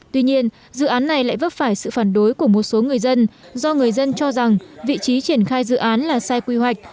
tuy nhiên dự án này lại vấp phải sự phản đối của một số người dân do người dân cho rằng vị trí triển khai dự án là sai quy hoạch